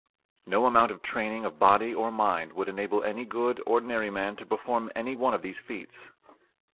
No amount of training of body or mind would enable any good ordinary man to perform any one of these feats.